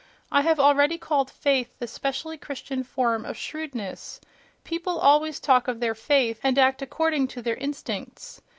I have already called "faith" the specially Christian form of shrewdness—people always talk of their "faith" and act according to their instincts....